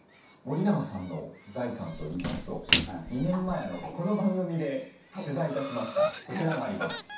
森永さんの財産といいますと２年前この番組で取材致しましたこちらがあります。